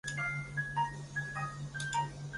欧瓦黄藓为油藓科黄藓属下的一个种。